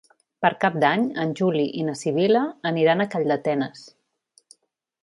Per Cap d'Any en Juli i na Sibil·la aniran a Calldetenes.